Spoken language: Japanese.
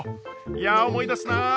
いや思い出すなあ！